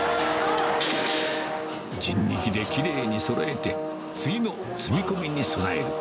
人力できれいにそろえて、次の積み込みに備える。